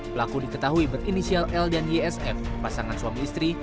pelaku diketahui berinisial l dan ysf pasangan suami istri